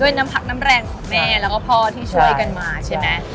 น้ำพักน้ำแรงของแม่แล้วก็พ่อที่ช่วยกันมาใช่ไหม